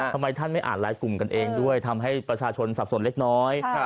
ทำไมท่านไม่อ่านหลายกลุ่มกันเองด้วยทำให้ประชาชนสับสนเล็กน้อย